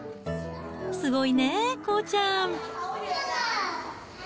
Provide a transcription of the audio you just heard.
すごいね、こうちゃん。